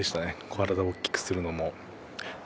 体を大きくするのも。